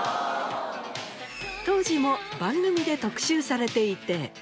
当時も番組で特集されていて。